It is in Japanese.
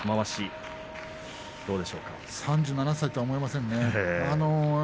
３７歳とは思えません。